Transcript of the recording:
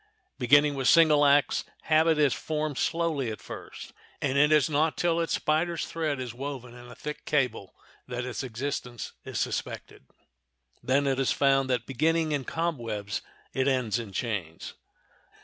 Beginning with single acts habit is formed slowly at first, and it is not till its spider's thread is woven in a thick cable that its existence is suspected. Then it is found that beginning in cobwebs it ends in chains.